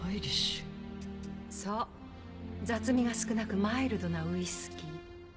そう雑味が少なくマイルドなウイスキー。